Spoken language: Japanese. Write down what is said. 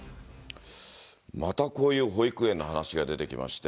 またこういう保育園の話が出てきまして。